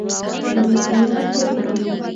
تاریخ ولې تکراریږي؟